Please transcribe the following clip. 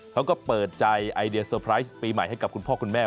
เขาก็เปิดใจไอเดียเซอร์ไพรส์ปีใหม่ให้กับคุณพ่อคุณแม่